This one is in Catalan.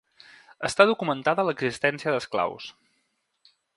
Està documentada l'existència d'esclaus.